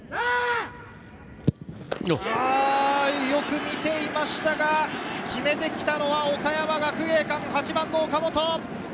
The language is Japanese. よく見ていましたが、決めてきたのは岡山学芸館、８番の岡本。